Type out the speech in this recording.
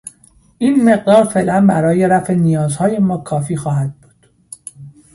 این مقدار فعلا برای رفع نیازهای ما کافی خواهد بود.